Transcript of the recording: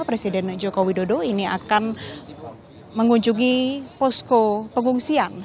presiden joko widodo ini akan mengunjungi posko pengungsian